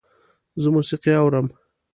زه موسیقي اورم